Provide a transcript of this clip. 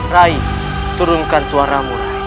rai turunkan suaramu rai